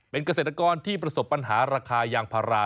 เป็นเกษตรกรที่ประสบปัญหาราคายางพารา